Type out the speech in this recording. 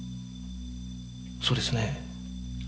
そうですね？